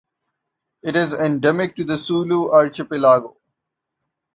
It is endemic to the Sulu Archipelago.